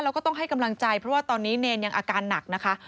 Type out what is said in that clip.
แล้วก็ต้องให้กำลังใจเพราะว่าตอนนี้เนรยังอาการหนักนะคะ